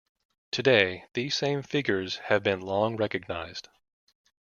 Today, these same figures have been long recognized.